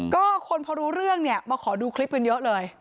ก็คนพอรู้เรื่องเนี่ยมาขอดูคลิปกันเยอะเลย